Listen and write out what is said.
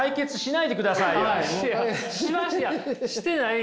してない。